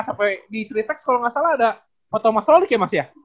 sampai di strytex kalo gak salah ada foto mas toli kayaknya masih ya